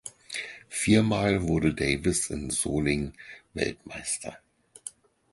Viermal wurde Davis im Soling Weltmeister.